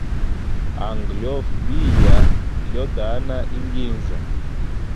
Anga lyofa biya lyo tana inginza.